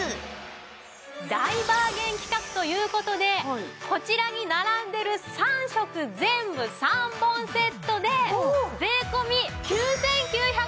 大バーゲン企画という事でこちらに並んでる３色全部３本セットで税込９９８０円です！